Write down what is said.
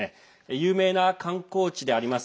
有名な観光地であります